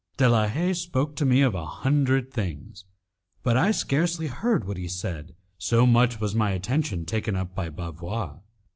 De la Haye spoke to me of a hundred things, but I scarcely heard what he said, so much was my attention taken up by Bavois.